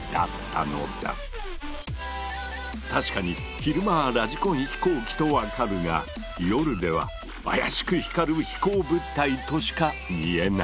確かに昼間はラジコン飛行機と分かるが夜では怪しく光る飛行物体としか見えない。